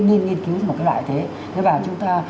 nên nghiên cứu một cái loại thế và chúng ta